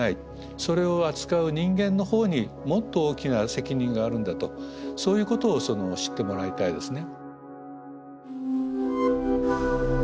それを扱う人間のほうにもっと大きな責任があるんだとそういうことを知ってもらいたいですね。